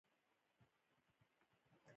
بېنډۍ د نارینه و لپاره انرژي برابروي